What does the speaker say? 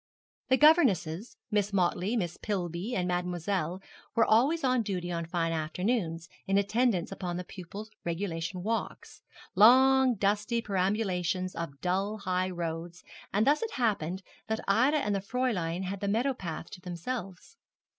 The governesses, Miss Motley, Miss Pillby, and Mademoiselle were always on duty on fine afternoons, in attendance upon the pupils' regulation walks long dusty perambulations of dull high roads; and thus it happened that Ida and the Fräulein had the meadow path to themselves.